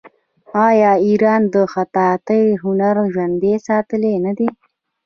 آیا ایران د خطاطۍ هنر ژوندی ساتلی نه دی؟